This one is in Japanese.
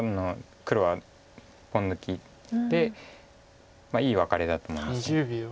黒はポン抜きでいいワカレだと思います。